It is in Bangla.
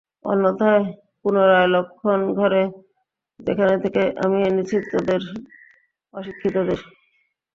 অন্যথায়, পুনরায় লক্ষ্মণঘরে, যেখান থেকে আমি এনেছি তোদের অশিক্ষিতদের!